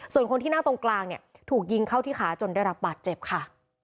ส่วนคนที่นั่งตรงกลางเนี่ยถูกยิงเข้าที่ขาจนได้รับบาดเจ็บค่ะ